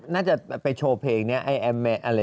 น่าจะไปโชว์เพลงแรม